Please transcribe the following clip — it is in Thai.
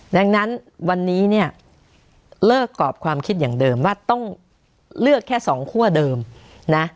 ดังนั้นวันนี้เนี่ยเลิกกรอบความคิดอย่างเดิมว่าต้องเลือกแค่สองคั่วเดิมนะ